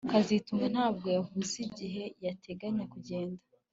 kazitunga ntabwo yavuze igihe yateganyaga kugenda